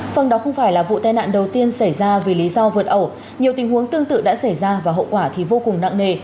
phòng đó không phải là vụ tai nạn đầu tiên xảy ra vì lý do vượt ẩu nhiều tình huống tương tự đã xảy ra và hậu quả thì vô cùng nặng nề